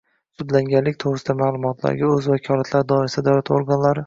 sudlanganlik to‘g‘risidagi ma’lumotlarga o‘z vakolatlari doirasida davlat organlari